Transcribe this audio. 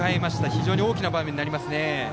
非常に大きな場面になりますね。